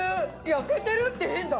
「焼けてる」って変だ！